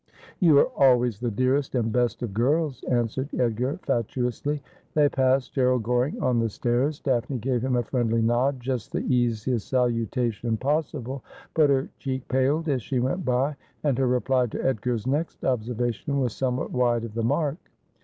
' You are always the dearest and best of girls,' answered Edgar fatuously. They passed Gerald G oring on the stairs. Daphne gave him a friendly nod, just the easiest salutation possible ; but her cheek paled as she went by, and her reply to Edgar's next obser vation was somewhat wide of the mark.